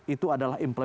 itu adalah imbalan